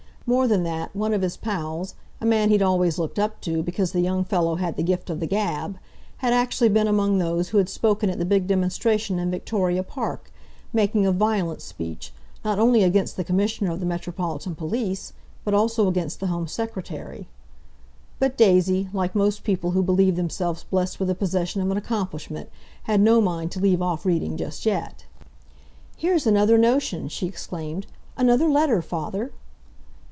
More than that one of his pals, a man he'd always looked up to, because the young fellow had the gift of the gab, had actually been among those who had spoken at the big demonstration in Victoria Park, making a violent speech, not only against the Commissioner of the Metropolitan Police, but also against the Home Secretary. But Daisy, like most people who believe themselves blessed with the possession of an accomplishment, had no mind to leave off reading just yet. "Here's another notion!" she exclaimed. "Another letter, father!"